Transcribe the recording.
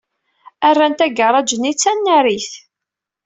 Rrant agaṛaj-nni d tanarit.